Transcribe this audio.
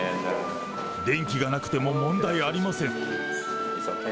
電気がなくても問題ありません。